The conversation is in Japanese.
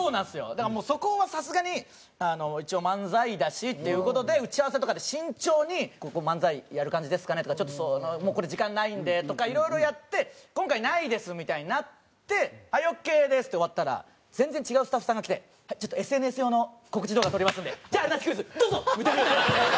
だからもうそこはさすがに一応漫才だしっていう事で打ち合わせとかで慎重に「ここ漫才やる感じですかね」とか「これ時間ないんで」とかいろいろやって「今回ないです」みたいになって「はいオーケーです」って終わったら全然違うスタッフさんが来て「ＳＮＳ用の告知動画撮りますのでじゃああるなしクイズどうぞ！」みたいなのが。